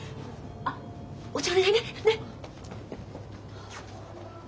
あっお茶お願いね。ね！